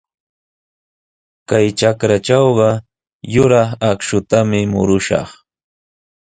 Kay trakratrawqa yuraq akshutami murushaq.